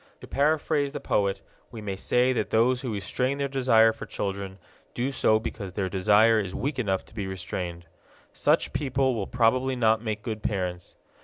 To paraphrase the poet, we may say that those who restrain their desire for children do so because their desire is weak enough to be restrained. Such people will probably not make good parents.